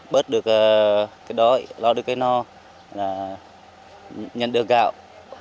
bớt được cái đói lo được cái no là nhận được gạo